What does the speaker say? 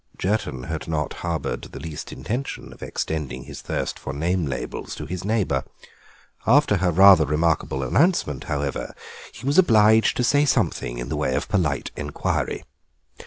Jerton had not harboured the least intention of extending his thirst for name labels to his neighbour. After her rather remarkable announcement, however, he was obliged to say something in the way of polite inquiry.